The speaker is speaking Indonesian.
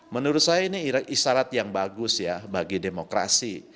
menurut saya ini isyarat yang bagus ya bagi demokrasi